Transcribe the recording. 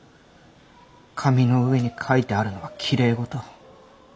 紙の上に書いてあるのはきれい事。